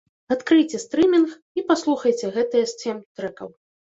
Адкрыйце стрымінг і паслухайце гэтыя сем трэкаў.